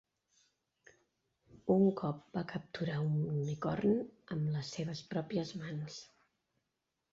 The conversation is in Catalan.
Un cop va capturar un unicorn amb les seves pròpies mans.